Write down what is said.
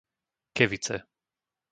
Kevice